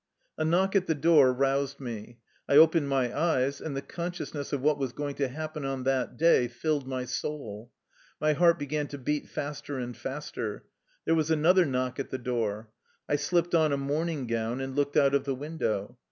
A knock at the door roused me. I opened my eyes, and the consciousness of what was going to happen on that day filled my soul. My heart began to beat faster and faster. There was an other knock at the door. I slipped on a morn ing grown, and looked out of the window.